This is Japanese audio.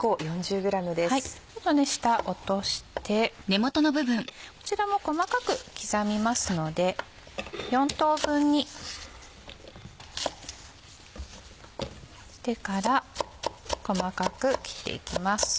下落としてこちらも細かく刻みますので４等分にしてから細かく切っていきます。